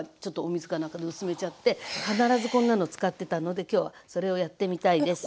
なんかで薄めちゃって必ずこんなの使ってたので今日はそれをやってみたいです。